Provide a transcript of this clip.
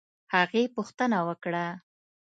هغې پوښتنه وکړه